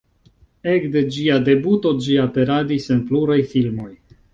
Ekde ĝia debuto ĝi aperadis en pluraj filmoj.